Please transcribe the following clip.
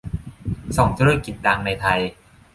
ส่องธุรกิจดังในไทย